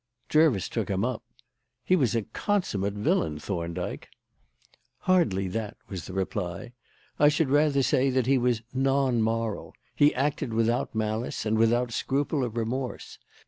Jervis took him up. "He was a consummate villain, Thorndyke." "Hardly that," was the reply. "I should rather say that he was non moral. He acted without malice and without scruple or remorse.